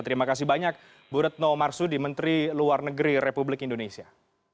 terima kasih banyak bu retno marsudi menteri luar negeri republik indonesia